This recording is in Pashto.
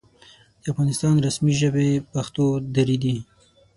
د افغانستان رسمي ژبې پښتو او دري دي.